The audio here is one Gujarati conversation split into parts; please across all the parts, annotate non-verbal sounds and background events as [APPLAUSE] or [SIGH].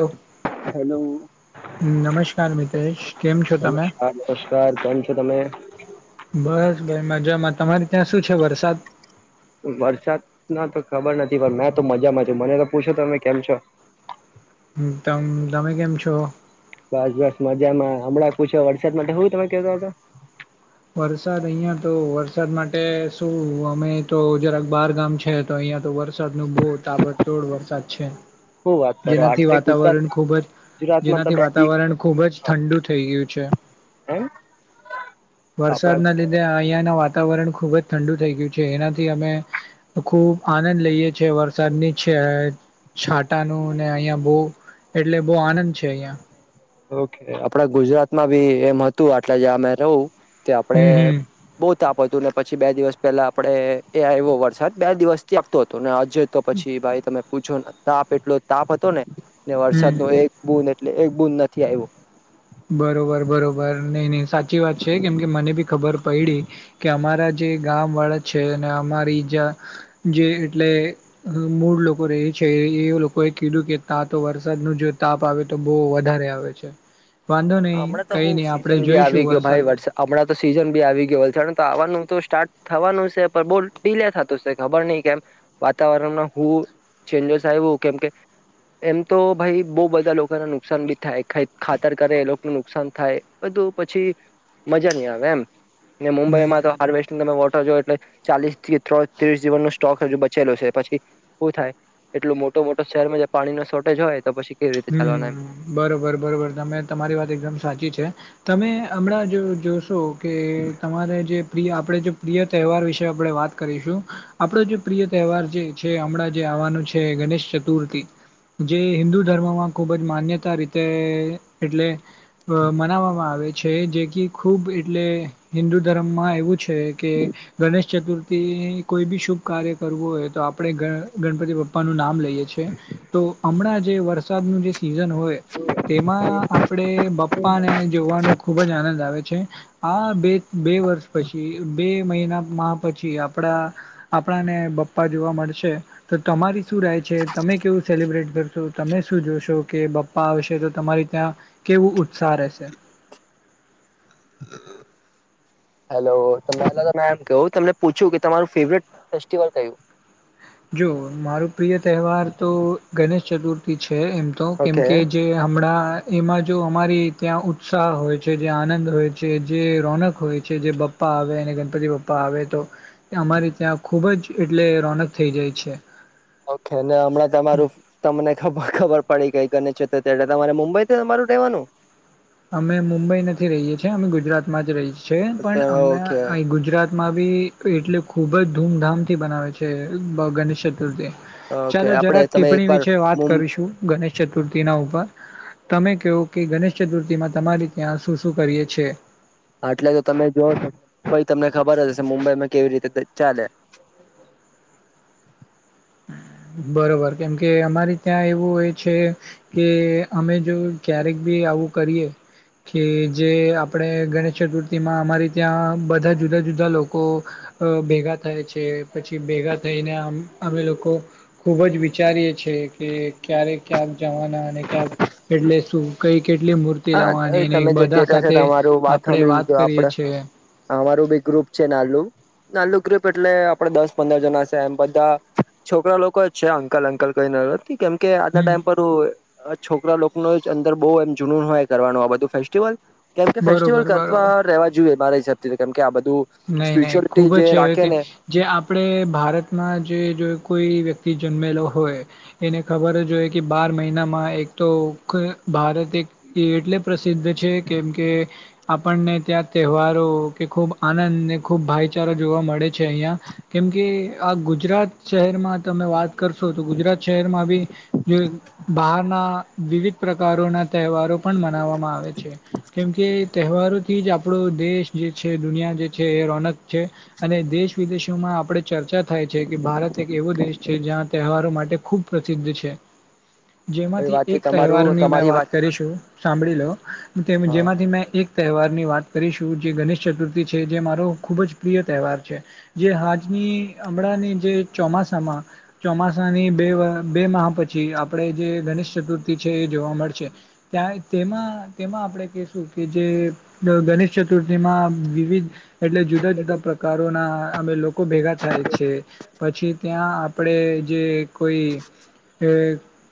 હલો હેલો નમસ્કાર મિતેશ કેમ છો તમે હા નમસ્કાર કેમ છો તમે બસ ભાઈ મજામાં તમારી ત્યાં શું છે વરસાદ વરસાદ ના તો ખબર નથી પણ મેં તો મજામાં મને તો પૂછો તમે કેમ છો હ તમ તમે કેમ છો બસ બસ મજામાં હમણાં પૂછો વરસાદ માટે હું તમે કેતા વરસાદ અહિયાં તો વરસાદ માટે શું અમે તો જરાક બાર ગામ છે તો અહિયાં વરસાદ ન બહુ તાબડતોડ વરસાદ છે હું વાત કરો જેનાથી આટલે વાતાવરણ ગુજરાતમાં ખુબ જ ગુજરાતમાં તો જેનાથી બે દિવસ વાતાવરણ ખુબ જ ઠંડુ થઈ ગયું છે હમ વરસાદ ન લધે અહિયાં ના વાતાવરણ ખુબ જ ઠંડુ થઈ ગયું છે એનાથી અમે ખુબ આનંદ લઈએ છીએ વરસાદ ની છે છાંટાનું ને અહિયાં બહ એટલે બહુ આનંદ છે અહિયાં ઓકે આપડ ગુજરાતમાં બી એમ હતું આટલે જ અમે રહું તે આપણેે હમ હમ બહુ થાપ હતું ને પછી પછી બે દિવસ પેલા આપડે એ આવો વરસાદ બે દિવસ થી આપતો હતો ને આજે તો પછી ભાઈ તમે પૂછો તાપ એટલો તાપ હતો ને વરસાદ હમ ન એક બૂ એટલે એક બૂ નથી થી આવ્યો બરોબર બરોબર નઈ નહી સાચી વાત છે કેમ કે મને બી ખબર પડીડી કે અમારા જે ગામ વાળા છે અને અમારી જા જે એટલે મૂળ લોકો ર છે એ લોકોએ કીધું કે તા તો વરસાદનું જો તાપ આવે તો બહુ વધારે આવે છે વાંધો નહી હમણાં તો કઈ હું નહી આપણે સીઝન બી જોઈશું આવી ગયો વરસાદ ભાઈ વર્ષે હમણાં તો સીઝન બી આવી ગયો હો છે આવવાનું તો સ્ટાર્ટ થવાનું છે પણ બહ ડીલે થતું છે ખબર નહીિ કેમ વાતાવરણમાં હું ચેન્જો સાહે એું કેમ કે એમ તો ભાઈ બહ બધા લોકોને નુકસાન ભી થાય ખાતર કરે એ લોકો ું નુકસાન થાય બધું પછી મજા નહી આવે એમ મુંબ હમ માં તો હારવેસ્ટ તમે એટલે ચાલીસ ત્રીસ જીવન ન સ્ટોક હજુ બચેલો છે પછી શું થાય એટલું મો મોટો મોટો શહેરમાં જે પાણીનોોર્ટેજ હોય તો પછી કેવી રીતે ચાલવાના એમ હમ બરોબર બરોબર તમે તમારી વાત એકદમ સાચી છે તમે હમણાં જો જોશો કે તમારે જે આપણેે જે પ્રિય તહેવાર વિશે આપણે વાત કરીશું આપડો જે પ્રિય તહેવાર જે છે હમણાં જે છે ગણેશ ચતુર્થી જે હિન્દુ ધર્મમાં ખૂબ જ માન્યતા રીતે એટલે મનાવવામાં આવે છે છે જે કે ખૂબ એટલે હિન્દુ ધર્મમાં એવું છે કે ગણેશ ચતુર્થી કોઈ બી શુભ કાર્ય કરવું હોય તો આપણે ગણપતિ પપ્પાનુંું નામ લ તો હમણાં જે વરસાદનું જે સિઝન હોય તેમાં આપણેે બપ્પાને જોવાનું ખુબ જ આનંદ આવે છે આ બે બે વર્ષ પછી બે મહિના માં પછી આપડા આપણા ને પપ્પા જોવા મળશે તો તમારી શું રાય છે તમે કેવું સેલિબ્રેટ કરશો તમે શું જોશો કે પપ્પા આવશે તો તમારી ત્યાં કેવું ઉત્સાહ રહેશે [INAUDIBLE] હેલો ત મેમ કહ ત પૂછ્યું કે તમારવું જો મારો પ્રિય તહેવાર તો ગણેશ ચતુર્થી છે છે એમ તો ઓકે કેમકે જે હમણાં એમાં જો અમારી ત્યાં ઉત્સાહ હોય છે જે આનંદ હોય છે જે રોનક હોય છે જેપ પ્પા આવે અને ગણપતિ પપ્પા આવે તો અમારે ત્યાં ખુબ જ એટલે રોનક થઈ જઈ છે ઓકે હમણાં તમારું તમને ખબર ખબર પડી કઈકને છે એટલે તમારે મુંબઈ થી તમારું રહેવાનું અમે મુંબઈ નથી રહીએ છીએ અમે ગુજરાતમાં જ રહીએ છીએ પણ અમ ઓકે અહી ગુજરાત માં બી એટલે ખૂબ જ ધૂમધામથી બનાવે છે ગણેશ ચતુર્થી ઓકે ચાલો આપડે જરાક તમે ટિપ્પણી એકવાર વિશે વાત મુંબઈ કરીશું ગણેશ ચતુર્થી ના ઉપર તમે કહો કે ગણેશ ચતુર્થીમાં તમારી ત્યાં શું શું કરીએ છીએ આટલે તો તમે જોઓ છો એ મુંબઈ તમને ખબર હશે મુંબઈમાં કેવી રીતે ચાલે હમ બરોબર કેમ કે અમારે ત્યાં એવું હોય છે કે અમે જો ક્યારેક બી આવું કરીએ કે જે આપણે ગણેશ ચતુર્થીમાં અમારે ત્યાં બધા જુદા જુદા લોકો અ ભેગા થાય છે પછી ભેગા થઈને આમ અમે લોકો ખૂબ જ વિચારીએ છ છેીએ કે ક્યારે ક્યાંક જવાના અને ક્યાંક એટલે શું કઈ કેટલી મૂર્તિ હા લાવવાની તમે જે બધા કેતા છે સાથે તમારું આપડણે સાંભળી વાત લીધું કરીએ આપડે છેીએ અમારું ગ્રુપ છે નાલું નાલુ ગ્રુપ એટલે આપડે દસ પંદર જણા છે એમ બધા છોકરા લોકો જ છે અંકલ અંકલ કઈ નત કેમ કે આજના હમ ટાઈમ પર છોકરા લોકો ન જ અંદર બહ એમ જૂ હોય કરવાનું આ બું ફેસ્ટલ કેમ કે ફેસ્ટિવલ બરોબર કરતા બરોબર રવા જોઈએ મારા હિસાબથી કે આ બધું નહી નહી સ્પિરિચ્યુઅલિટી ખુબ જ જે છે રાખે હવે ને જે આપણે ભારતમાં જે જો કોઈ વ્યક્તિ થી જન્મેલો હોય એને ખબર જ હોઈએ કે બાર મહિનામાં એક તો ભારત એટલે પ્રસિદ્ધ છે કેમ કે આપણને ત્યાં તહેવારો કે ખૂબ આનંદને ખૂબ ભાઈચારા જોવા મળે છે અહીિયાં કેમકે આ ગુજરાત શહેરમાં તમે વાત કરશો તો ગુજરાત શહેરમાં બી બહારના વિવિધ પ્રકારોના તહેવારો પણ મનાવવામાં આવે છે કેમકે તહેવારોથી જ આપણો દેશ જે છે દુનિયા એ રોનક છે અને દેશ વિદેશોમાં આપણે ચર્ચા થાય છે કે ભારત એક એવો દેશ છે જ્યાં તહેવારો માટે ખૂબ પ્રસિદ્ધ છે એ જેમાંથી વાતથી એક તમારું તહેવારની મેં તમારી વાત કરીશું સાંભળી લો હા જેમાંથી મેં એક તહેવારની વાત કરીશું જે ગણેશ ચતુર્થી છે જે મારો ખૂબ જ પ્રિય તહેવાર છે જે આજની હમણાં ની જે ચોમાસામાં ચોમાસાની બે બે મહહ પછી આપણેે જે ગણેશ ચતુર્થી છે એ જોવા મળશે ત્યાં તેમાં તેમાં આપણેે કશું કે જે ગણેશ ચતુર્થીમાં વિવિધ એટલે જુદા જુદા પ્રકારોના અમે લોકો ભેગા થાય છે પછી ત્યાં આપડે જે કોઈ એ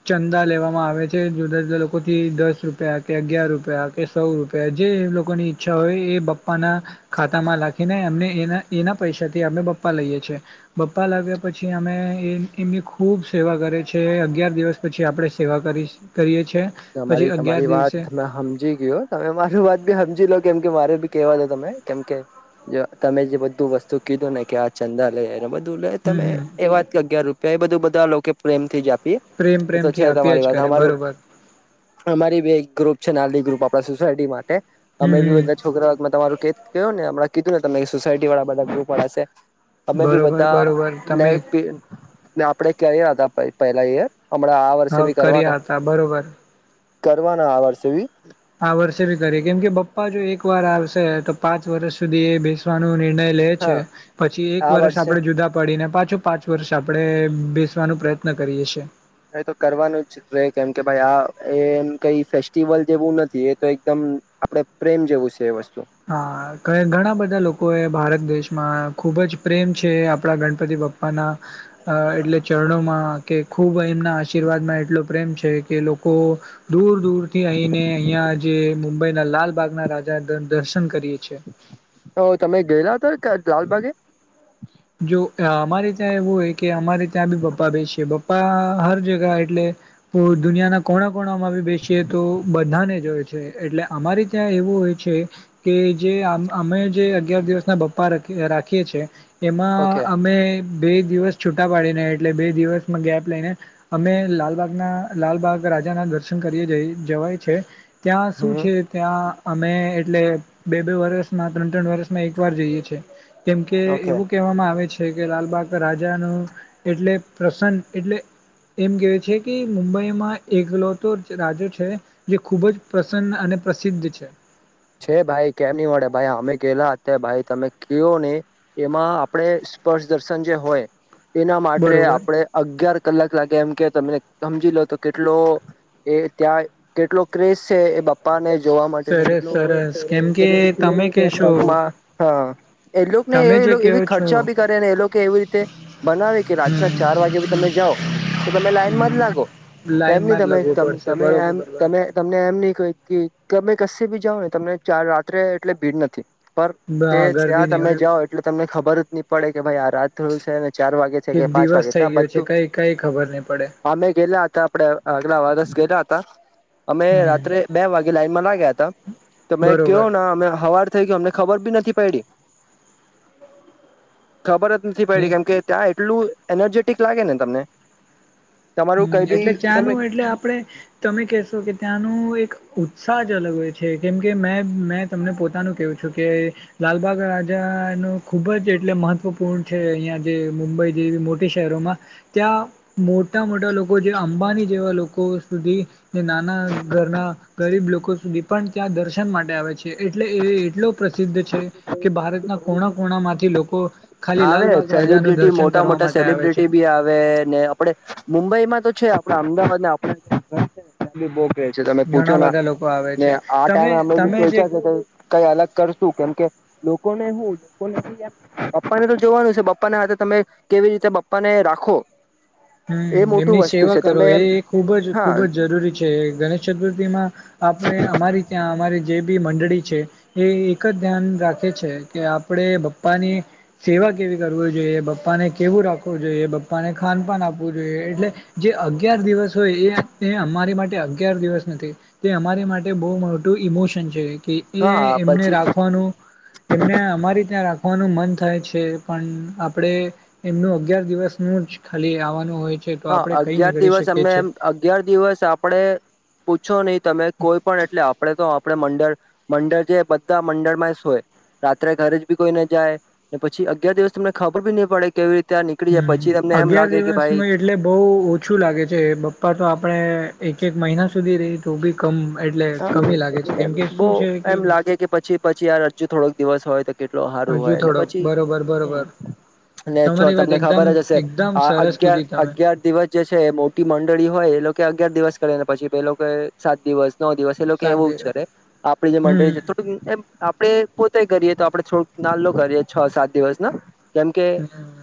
ચંદા લેવામાં આવે છે જુદા જુદા લોકો થી દસ રૂપિયા કે અગિયાર રૂપિયા કે સૌ રૂપિયા જે એમ લોકો ની ઈચ્છા હોય એ પપ્પાના ખાતામાં લખીને એમને એના એના પૈસાથી અમે પપ્પા લઈએ છીએ પપ્પા લ પછી અમે એ એમની ખૂબ સેવા કરે છે અગિયાર દિવસ પછી આપણે સેવા કરીશ કરીએ છીએ પછી તમારી અગિયાર તમારી દિવસે વાત મે સમજી ગયયો તમે મારું વાત બી સમજી લો કેમ કે મારે ભી કેવા દ તમે કેમ કે જો તમે જે બધું વસ્તુ કીધું ને કે આ ચંદા લે એને બધું ુલે હમ તમે હમ એ વાત કે અગિયાર રૂપિયા એ બધું બધા લોકો પ્રેમ થી જ આપ પ્રેમ એ તો છે પ્રેમથી આપ્યા જ તમારી વાત કરે અમારું બરોબર અમારી બી એક ગ્રુપ છે નાલી ગ્રુપ આપડા સોસાયટી માં અમે હમ બી હમ બધા છોકરાકમાં તમારું કે ક નેમ કીધું ને તમમે સોસાયટી વાળા બધા ગ્રપળા છે અમે બી બરોબર બરોબર બધાને તમે આપડે ક્યાં હતા પહેલા હમણાં આ વર્ષે ભી કરી કરવાના હતા બરોબર કરવાના આ વર્ષે બી આ વર્ષે બી કરીએ કેમ કે પપ્પા જો એક વાર આવશે તો પાંચ વર્ષ સુધી એ બેસવાનું નિર્ણય લે છે હા પછી એક આ વર્ષ વર્ષે આપણે જુદા પડીને પાછો પાંચ વર્ષ આપડણે બેસવાનો પ્રયત્ન કરીએીએ હ તો કરવાનું જ રહેે કેમ કે ભાઈ આ એમ કઈ ફેસ્ટિવલ જેવું નથી એ તો એકદમ આપડે પ્રેમ જેવું છે વસ્તુ હા ઘણા બધા લોકો એ ભારત દેશમાં ખુબ જ પ્રેમ છે આપડા ગણપતિ પપ્પા ના એટલે ચરણોમાં કે ખૂબ એમના આશીર્વાદમાં એટલો પ્રેમ છે કે લોકો દૂર દૂર થી અહીને અહિયાં જે મુંબઈના લાલબાગના રાજા દર્શન કરીએ છીએ હ તમે ગયેલા હતા લાલબાગે. જો અમારે ત્યાં એવું હો કે અમારે ત્યાં બી પપ્પા બે છેપ્પા ા હર જગા એટલે દુનિયાના કોણા કોણામાં ભી બેસીએ તો બધાને જો હોય એટલે અમારે ત્યાં એવું હોય છે. કે જે અમે જે અગયાર દિવસ ના પપ્પા રાખીએ છે એમાં ઓકે અમે બે દિવસ છૂટા પાડીને એટલે બે દિવસમાં ગેપ લઈને અમે લાલબાગના લાલબાગ રાજાના દર્શન કરીએ જઈ જવાય છે ત્યાં શું હમ છે ત્યાં અમે એટલે બે બે વર્ષમાં ત્રણ ત્રણ વર્ષમાં એક વાર જઈએ છીએ કેમ કે ઓકે એવું કહેવામાં આવે છે કે લાલબાગ રાજા ન એટલે પ્રસન એટલે એમ કેવા છે કે મુંબઈમાં એકલો તો રાજો છે જે ખૂબ જ પ્રસન્ન અને પ્રસિદ્ધ છે. છે ભાઈ કેમ નહી મળે ભાઈ અમે ગેલા અત્યારે ભાઈ તમે કો નને એમાં આપણેે સ્પર્શ દર્શન જે હોય એના માટે બરોબર આપણે અગયાર કલાક લા એમ કે તને સમજી લો તો કેટલો એ ત્યાં કેટલો ક્રેઝ છે એ બાપ્પા ને જોવા માટે સરસ કેટલોક સરસ કેમ કે તમે કહેશો હા એ લોકોને તમે જે એ કહો એવી છો ખર્ચા બી કરે ને એ લોકો એવી રીતે બનાવે કે રાતના હમ ચાર વાગે બી તમે તો તમે લાઈન માં જ લાગો એમ ન લાઈનમાં જ તમે લગવું પડશે તમે બરોબર એમ બરોબર તમે તમને એમ નહી કોઈ ક્ય બી જાાવ ને તમને ચાર રાત્રે એટલે ભીડ નથી. પણ તે હા ગરદી ત્યાં નહી તમે હોય જાઓ એટલે તમને ખબર જ નહી પડે કે ભાઈ આ રાત થોડું છે અને ચાર વાગે છે. એક કે પાંચ વાગે દિવસ થઈ ત્યાં ગયો છે બધું કઈ કઈ ખબર નહી પડે અમે ગેલા હતા આપડે આગલા વરષ ગેલા હતા. અમે હમ રાત્રે બે વાગે લાઈનમાં ના ગયા હતા તમે કયો બરોબર ના અમે હવા થઈ ગય અમને ખબર ભી નથી પડી. ખબર જ નથી ને પડી કેમ કે ત્યાં એટલું એનર્જેટિક લાગે ને તમને તમારું હમ કઈ બી એટલે તમને ત્યાંનું એટલે આપણે તમે કહેશો કે ત્યાંનું એક ઉત્સાહ અલગ હોય છે કેમ કે મે મેં તમને પોતાનું કવું છું કે લાલબાગ રાજા ન ખૂબ જ એટલે મહત્ત્વપૂર્ણ છે અહીંયા જે મુંબઈ જેવી મોટી શહેરોમાં ત્યાં મો મોટા મોટા લોકો જે અંબાની જેવા લોકો સુધી નાના ઘરના ગરીબ લોકો લોકો સુધી પણ ત્યાં દર્શન માટે આવે છે એટલે એ એટલો પ્રસિદ્ધ છે કે ભારતના કોણા કોણામાંથી લોકો ખાલી આવે લાલબાગ રાજાનું સેલિબ્રિટી દર્શન મોટા કરવા મોટા માટે આવે સેલિબ્રિટી છે ભી આવે ને આપડે મુંબઈમાં તો છે આપડા અમદાવાદને આપ ઘર છે નેી બહ ક છે તમે પૂછો ઘણા ને બધા લોકો આવે છે આ તમે ટાઈમે અમે બી તમે જે સોચ્યા છે કે કઈ અલગ કરશુ કેમ કે લોકો ને હું લોકોને ક પપ્પા ને તો જોવાનું છે પપ્પાના હાથે તમે કેવી રીતે પપ્પા ને રાખો? એ હમ મોટું એમની વસ્તુ સેવા છે કરો તમે એ એમ એ ખૂબ જ હા ખૂબ જ જરૂરી છે ગણેશ ચતુર્થીમાં આપણે અમારી ત્યાં અમારી જે બી મંડળી છે એ એક જ ધ્યાન રાખે છે કે આપણે પપ્પાની સેવા કેવી કરવું જોઈએ પપા ને કેવું રાખવું જોઈએ પપ ને ખાનપાન આપું જોઈએ એટલે જે અગયાર દિવસ હોય એ અમારી માટે અગયાર દિવસ નથી તે અમારી માટે બહુ મોટું ઇમોશન છે કે એ હા એમને પછી રાખવાનું એમને અમારી ત્યાં રાખ ઓખવાનું મન થાય છે પણ આપણે એમનું અગયાર દિવસનું જ ખાલી આવવાનું હોય છે તો હા આપણે કઈ નહી અગિયાર કરી દિવસ શકીએ અમને છીએ એમ અગિયાર દિવસ આપડ પૂછો નહીં તમે કોઈ પણ એટલે આપણેે તો આપણે મંડળ મંડળ જે બધા મંડળમાં હોય રાત્રે ઘરે જ બી કોઈને જાય ને પછી અગિયાર દિવસ તમને ખબર ભી નહી પડે કેવી રીતે ત્યાં નીકળી જાય હમ પછી તમને એમ અગિયાર લાગે કે ભાઈ દિવસમાં એટલે બહુ ઓછું લાગે છે પપ્પા તો આપણે એક એક મહિના સુધી રહી તો બી કમ એટલે હ કમી લાગે છે કેમ કે બહ શું છે કે એમ લાગે કે પછી પછી યાર હજુ થોડોક દિવસ હોય તો કેટલો સારું હજુ હોય ને થોડોક પછી બરોબર બરોબર ને છો તમારી વાત તમને એકદમ ખબર જ હશે એકદમ આ સરસ અગયાર કીધી તમે અગયાર દિવસ જે છે એ મોટી મંડળી હોય એ લોકો કે અગિયાર દિવસ કરે ને પછી પે લોકો સાત દિવસ ન દિવસ એ લોકો એવું સાદે જ કરે આપે જે મંડળી હમ છે થોડુંક એમ આપડે પોતેય કરીએ તો આપડે થોડ ના કરી છ સાત દિવસ ના કેમકે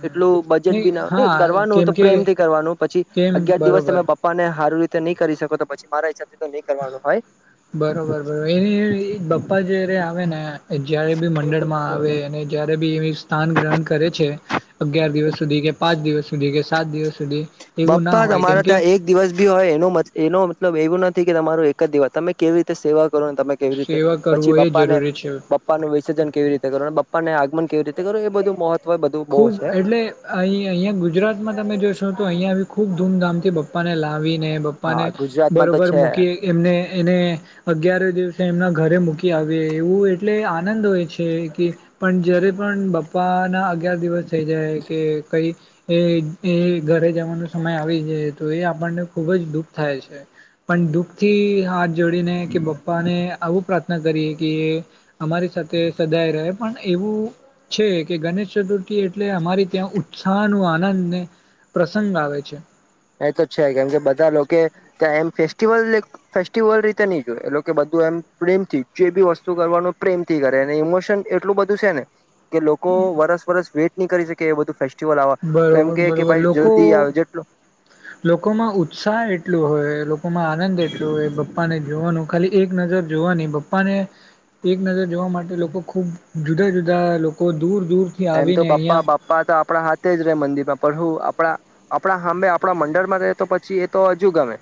એટલું બજેટ નહી બી ના હા કરવાનું કેમ તો કે પ્રેમ થી કરવાનું પછી કેમ અગિયાર દિવસ બરોબર તમે પપ્પા ને હારવી તે નહી કરી શકો તો પછી મારા હિસાબથી તો નહીં કરવાનું બ બરોબર બરોર એને પપ્પા જ આવે ને એ જયારે બી મંડળ માં હોય આવે અને જયારે એ સ્થાન ગ્રહણ કરે છે અગિયાર દિવસ સુધી કે પાંચ દિવસ સુધી કે સાત દિવસ સુધી એવું ના બપ્પા હોય કેમ તમારે કે ત્યાં એક દિવસ બી હોય એનો એનો મતલબ એવું નથી કે કે તમારરો એક જ દિવસ તમે કેવી રીતે સેવા કરો તમે કેવી રીતે સેવા પછી કરવું એ પપ્પાને જરૂરી છે પપ્પાનું વિસર્જન કેવી રીતે કરો પપ્પાને આગમન કેવી રીતે કરું એ બધું મહત્વ બધું બહુ ખુબ છે એટલે અ અહિયાંયા ગુજરાતમાં તમે જોશો તો અહિયાયા ખુબ ધૂમધામથી પપ્પાને લાવીને ને પપ્પા હા ને ગુજરાતમાં તો બરોબર છે મૂકી એમને એને અગયાર દિવસે એમના ઘરે મૂકી આવીએ એવું એટલે આનંદ હોય છે કે પણ જ્યારે પણ પપ્પાના અગાર દિવસ થઇ જાય કે કઈ એ એ ઘરે જવાનો સમય આવી જાય તો એ આપણને ખુબ જ દુઃખ થાય છે પણ દુઃખ થી હાથ જોડીને કે બાપ્પા ને આવું પ્ર કરીએ કે અમારી સાથે સદાય રહે પણ એવું છે કે ગણેશ ચતુર્થી એટલે અમારી ત્યાં ઉત્સાહ ન આનંદને પ્રસંગ આવે છે એ તો છે કેમ કે બધા લોકો ત્યાં એમ ફેસ્ટિવલ ફેસ્ટિવલ રીતે નહી જોય એ પ્રેમ પ્રેમથી જે બી વસ્તુ કરવાનું પ્રેમથી કરે ઇમોશન એટલું બધું છે ને કે લોકો વરસ વરસ વેટ નહી કરી શકે એ બધું ફેસ્ટિવલ આવેવા એમ બરોબર કે કે બરોબર ભાઈ લોકો જલ્દી આવે જેટલો લોકોમાં ઉત્સાહ એટલું હોય લોકોમાં આનંદ એટલું હોય પપ્પા ને જોવાનું ખાલી એક નજર જોવાની બપ્પાને એક નજર જોવા માટે લોકો ખુબ જુદા જુદા લોકો દૂર દૂરથી એમ તો આવીને બપ્પા અહીંયા બાપ્પા તો આપણા હાથે જ મંદિરમાં પણ હું આપણા આપણા સાંબે આપણા મંડળમાં રહે તો પછી એ તો હજુ ગમે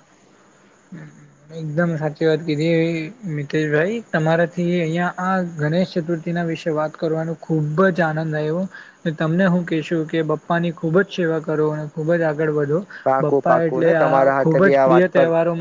એકદમ સાચી વાત કીધી મિતેશભાઈ તમારાથી અહિયાં આ ગણેશ ચતુર્થીના વિશે વાત કરવાનો ખૂબ જ આનંદ આવ્યો તમને હું કહેશું કે બપ્પા ની ખૂબ જ સેવા કરો અને ખુબ જ આગળ વધો પાકું પપ્પા પાકું એટલે ને આ તમારા હાથે ખુબ બી જ આ વાત પ્રિય પર તહેવારો